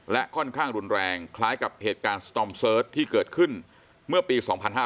และค่อนข้างรุนแรงคล้ายกับเหตุการณ์สตอมเสิร์ชที่เกิดขึ้นเมื่อปี๒๕๕๙